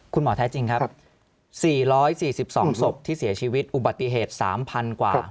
แท้จริงครับ๔๔๒ศพที่เสียชีวิตอุบัติเหตุ๓๐๐กว่า